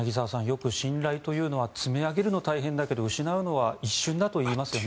よく信頼というのは積み上げるのは大変だけど失うのは一瞬だといいますよね。